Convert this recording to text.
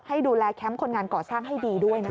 ดูแลแคมป์คนงานก่อสร้างให้ดีด้วยนะคะ